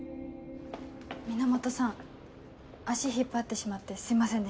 源さん足引っ張ってしまってすいませんでした。